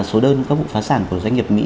số đơn các vụ phá sản của doanh nghiệp mỹ